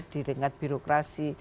di tingkat birokrasi